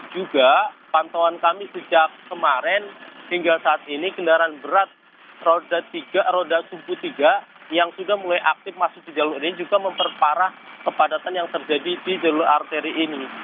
juga pantauan kami sejak kemarin hingga saat ini kendaraan berat roda tiga roda tujuh puluh tiga yang sudah mulai aktif masuk di jalur ini juga memperparah kepadatan yang terjadi di jalur arteri ini